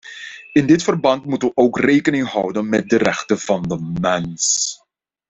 In dit verband moeten we ook rekening houden met de rechten van de mens.